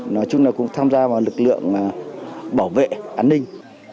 nói chung là cũng tham gia vào lực lượng bảo vệ an ninh